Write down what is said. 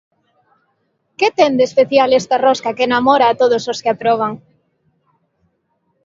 Que ten de especial esta rosca que namora a todos os que a proban?